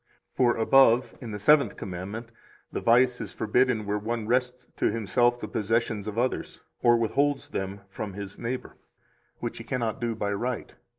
For above, in the Seventh Commandment, the vice is forbidden where one wrests to himself the possessions of others, or withholds them from his neighbor, which he cannot do by right.